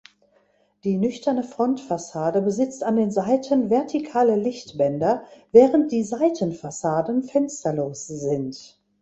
Die nüchterne Frontfassade besitzt an den Seiten vertikale Lichtbänder während die Seitenfassaden fensterlos sind.